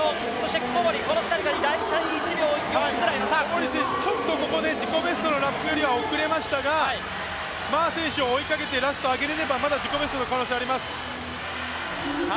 小堀選手、ちょっとここで自己ベストのラップよりは遅れましたが、馬選手を追いかけて、ラスト上げれば、まだチャンスあります。